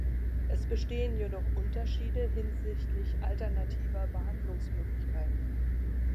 Es bestehen jedoch Unterschiede hinsichtlich alternativer Behandlungsmöglichkeiten.